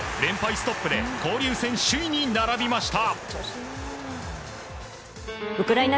ストップで交流戦首位に並びました。